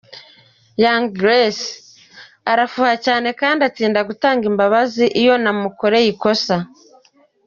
Young Grace: Arafuha cyane kandi atinda gutanga imbabazi iyo namukoreye ikosa.